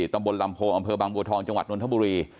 ตำบลลำโพอำเภอบางบัวทองจังหวัดนทบุรี